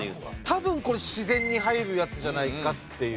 多分自然に入るやつじゃないかっていう。